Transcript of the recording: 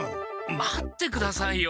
待ってくださいよ。